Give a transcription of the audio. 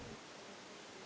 cuốn sách về đường